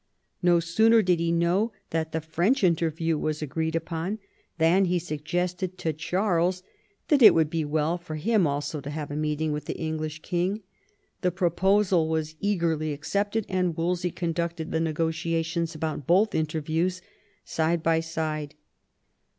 No sooner did he know that the French interview was agreed upon than he suggested to Charles that it would be well for him also to have a meeting with the English king. The proposal was eagerly accepted, and Wolsey conducted the negotiations about both interviews side by side.